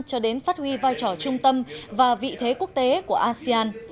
cho đến phát huy vai trò trung tâm và vị thế quốc tế của asean